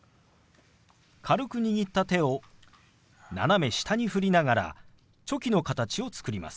軽く握った手を斜め下に振りながらチョキの形を作ります。